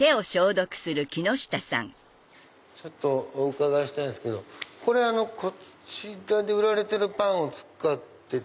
ちょっとお伺いしたいんすけどこれこちらで売られてるパンを使ってる。